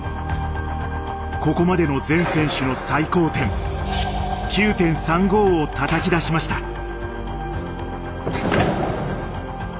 ここまでの全選手の最高点９．３５をたたき出しました。